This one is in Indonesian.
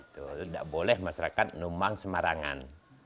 tidak boleh masyarakat numang semarangan